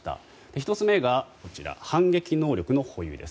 １つ目が、反撃能力の保有です。